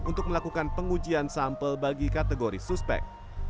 untuk melakukan pengujian sampel bagi kategori suspek